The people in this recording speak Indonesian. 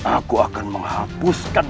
aku akan menghapuskan